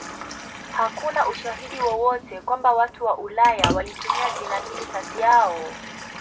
Hakuna ushahidi wowote kwamba watu wa Ulaya walitumia jina hili kati yao.